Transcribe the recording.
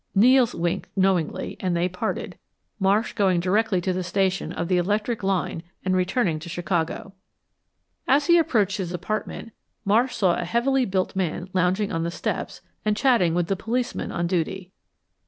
Nels winked knowingly and they parted, Marsh going directly to the station of the electric line and returning to Chicago. As he approached his apartment, Marsh saw a heavily built man lounging on the steps and chatting with the policeman on duty.